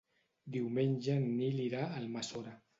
Diumenge en Nil irà a Almassora.